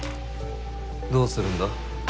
どうするんだ？